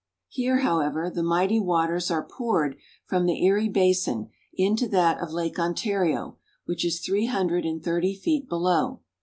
Niagara Falls. Here, however, the mighty waters are poured from the Erie basin into that of Lake Ontario, which is three hun dred and thirty feet below.